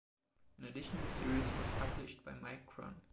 An additional series was published by Mike Kron.